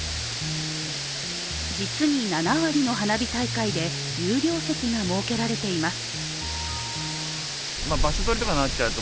実に７割の花火大会で有料席が設けられています。